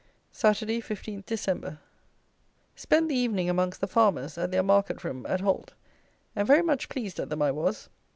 Saturday, 15 Dec. Spent the evening amongst the Farmers, at their Market Room at Holt; and very much pleased at them I was.